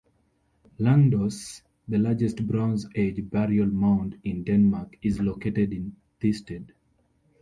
Langdos, the largest bronze age burial mound in Denmark, is located in Thisted.